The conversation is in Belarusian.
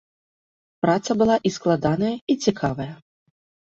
Праца была і складаная, і цікавая.